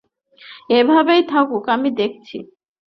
এভাবেই থাকুন, আমি দেখছি।